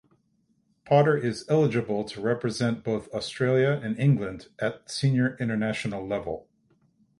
Potter is eligible to represent both Australia and England at senior international level.